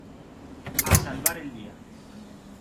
A salvar el día.